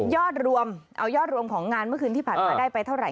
ยอดรวมเอายอดรวมของงานเมื่อคืนที่ผ่านมาได้ไปเท่าไห